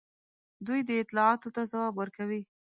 دوی دې اطلاعاتو ته ځواب ورکوي.